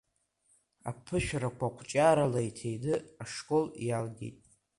Аԥышәарақәа қәҿиарала иҭины, ашкол иалгеит.